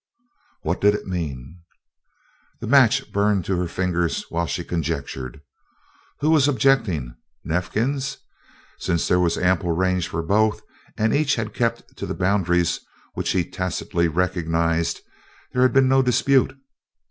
What did it mean? The match burned to her fingers while she conjectured. Who was objecting? Neifkins? Since there was ample range for both, and each had kept to the boundaries which he tacitly recognized, there had been no dispute.